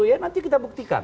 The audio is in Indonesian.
ya nanti kita buktikan